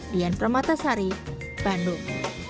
dian pramata sari bandung